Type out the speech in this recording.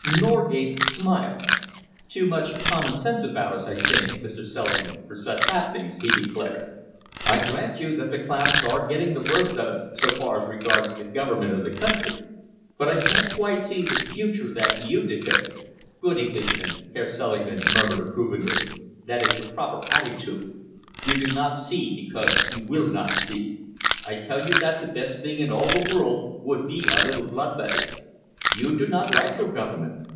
Norgate smiled. "Too much common sense about us, I think, Mr. Selingman, for such happenings," he declared. "I grant you that the classes are getting the worst of it so far as regards the government of the country, but I can't quite see the future that you depict." "Good Englishman!" Herr Selingman murmured approvingly. "That is your proper attitude. You do not see because you will not see. I tell you that the best thing in all the world would be a little blood letting. You do not like your Government.